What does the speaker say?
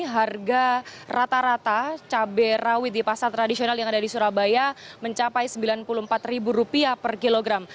harga rata rata cabai rawit di pasar tradisional yang ada di surabaya mencapai rp sembilan puluh empat per kilogram